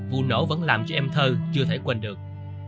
vụ nổ vẫn làm cho em thơ chưa thể quên được